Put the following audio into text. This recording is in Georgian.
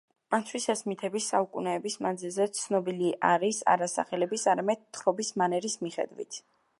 მათთვის ეს მითები საუკუნეების მანძილზე ცნობილი არის არა სახელების, არამედ თხრობის მანერის მიხედვით.